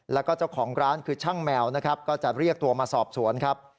แล้วก็เจ้าของร้านคือช่างแมวนะครับก็จะเรียกตัวมาสอบสวนครับ